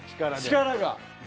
力が。